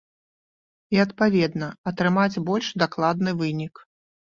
І, адпаведна, атрымаць больш дакладны вынік.